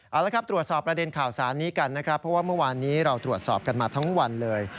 เอาละครับตรวจสอบประเด็นข่าวสารนี้กันนะครับเพราะว่าเมื่อวานนี้เราตรวจสอบกันมาทั้งวันเลย